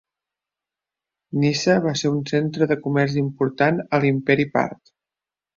Nisa va ser un centre de comerç important a l'imperi Part.